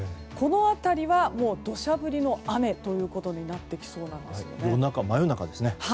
この辺りは土砂降りの雨となってきそうです。